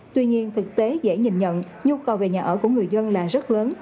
tuy nhiên thực tế dễ nhìn nhận nhu cầu về nhà ở của người dân là rất lớn